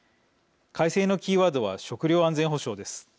改正のキーワードは食料安全保障です。